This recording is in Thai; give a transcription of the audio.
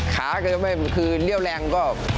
ขาคือเหลี่ยวแรงก็